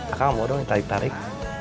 akang mau dong ditarik tarik